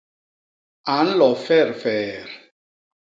A nlo fedfeet.